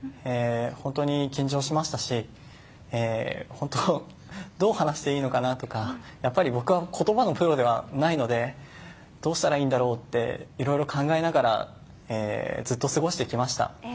本当に緊張しましたし本当、どう話していのかなとか僕はやっぱり言葉のプ￥ロではないのでどうしたらいいんだろうっていろいろ考えながらずっと過ごしてきました。